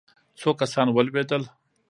څو کسان ولوېدل.